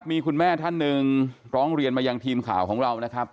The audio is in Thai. มีคุณแม่ท่านหนึ่งร้องเรียนมายังทีมข่าวของเรานะครับ